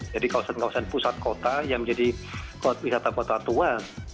jadi kawasan kawasan pusat kota yang menjadi wisata kota tua